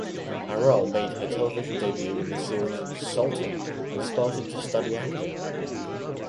Aral made her television debut in the series "Sultan" and started to study acting.